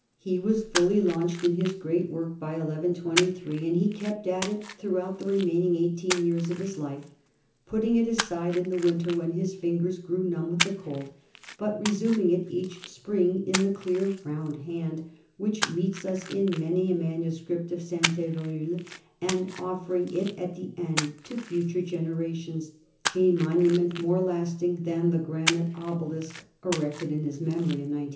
He was fully launched in his great work by 1123, and he kept at it throughout the remaining eighteen years of his life, putting it aside in the winter when his fingers grew numb with the cold, but resuming it each spring in the clear round hand which meets us in many a manu script of Saint fivroul, and offering it at the end to fu ture generations, a monument more lasting than the granite obelisk erected to his memory in 1912.